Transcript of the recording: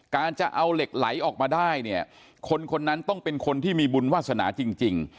การจะเอาเหล็กไหลออกมาได้เนี่ยคนคนนั้นต้องเป็นคนที่มีบุญวาสนาจริง